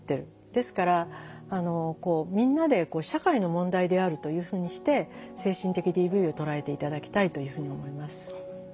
ですからみんなで社会の問題であるというふうにして精神的ＤＶを捉えて頂きたいというふうに思います。